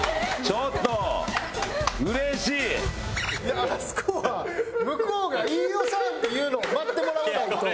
あそこは向こうが「飯尾さん！」って言うのを待ってもらわないと。